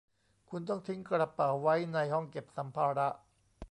คุณต้องทิ้งกระเป๋าไว้ในห้องเก็บสัมภาระ